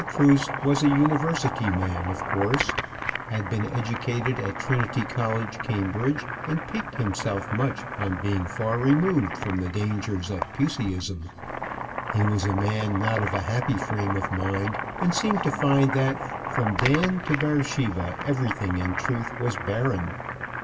Cruse was a University man, of course; had been educated at Trinity College Cambridge, and piqued himself much on being far removed from the dangers of Puseyism. He was a man not of a happy frame of mind, and seemed to find that from Dan to Beersheba everything in truth was barren.